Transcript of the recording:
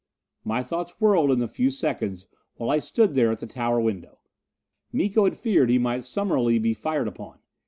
My thoughts whirled in the few seconds while I stood there at the tower window. Miko had feared he might summarily be fired upon.